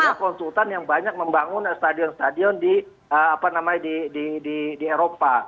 karena ada konsultan yang banyak membangun stadion stadion di eropa